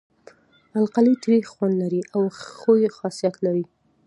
القلي تریخ خوند لري او ښوی خاصیت لري.